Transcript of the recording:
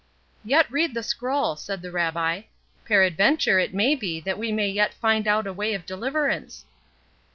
"Yet read the scroll," said the Rabbi; "peradventure it may be that we may yet find out a way of deliverance."